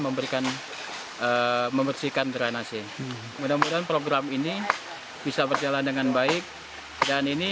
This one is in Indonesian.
memberikan membersihkan drainasi mudah mudahan program ini bisa berjalan dengan baik dan ini